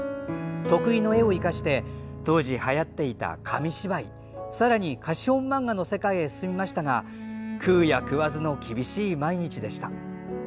得意の絵を生かして当時はやっていた紙芝居さらに、貸本漫画の世界へ進みましたが食うや食わずの厳しい毎日でした。